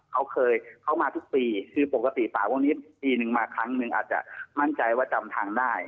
เขาเคยเขามาทุกปีคือปกติป่าพวกนี้ปีนึงมาครั้งหนึ่งอาจจะมั่นใจว่าจำทางได้